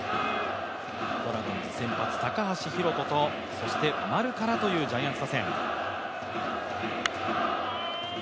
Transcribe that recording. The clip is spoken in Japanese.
ドラゴンズ先発、高橋宏斗とそして丸からというジャイアンツ打線。